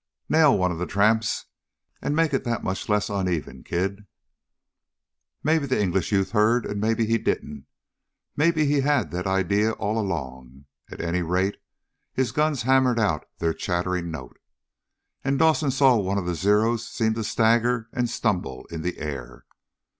"Nail one of the tramps, and make it that much less uneven, kid!" Maybe the English youth heard, and maybe he didn't. Maybe he had that idea all along. At any rate, his guns hammered out their chattering note, and Dawson saw one of the Zeros seem to stagger and stumble in the air.